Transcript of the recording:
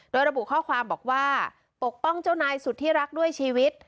โดยระบุข้อความบอกว่าปกป้องเจ้านายสุดที่รักด้วยชีวิต